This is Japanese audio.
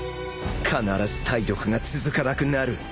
必ず体力が続かなくなる